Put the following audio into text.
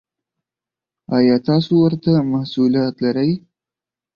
ایا تاسو ورته محصولات لرئ؟